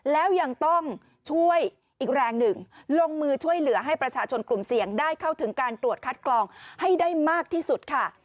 แล้วยังต้องช่วยอีกแรงหนึ่งลงมือช่วยเหลือให้ประชาชนกลุ่มเสี่ยงได้เข้าถึงการตรวจคัดกรองให้ได้มากที่สุดค่ะ